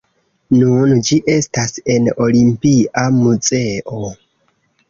Nun ĝi estas en Olimpia muzeo.